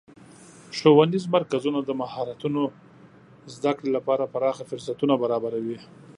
ښوونیز مرکزونه د مهارتونو زدهکړې لپاره پراخه فرصتونه برابروي.